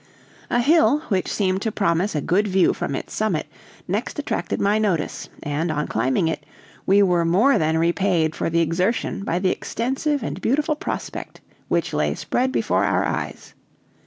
A hill, which seemed to promise a good view from its summit, next attracted my notice, and, on climbing it, we were more than repaid for the exertion by the extensive and beautiful prospect which lay spread before our eyes.